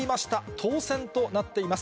当選となっています。